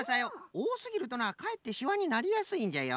おおすぎるとなかえってしわになりやすいんじゃよ。